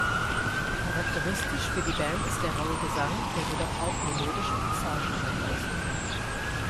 Charakteristisch für die Band ist der raue Gesang, der jedoch auch melodische Passagen aufweist.